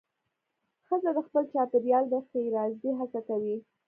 ښځه د خپل چاپېریال د ښېرازۍ هڅه کوي.